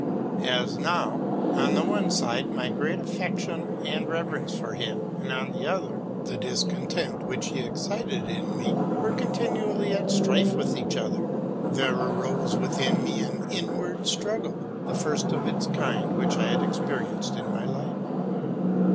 As now, on the one side, my great affection and reverence for him, and, on the other, the discontent which he excited in me, were continually at strife with each other, there arose within me an inward struggle, the first of its kind which I had experi enced in my life.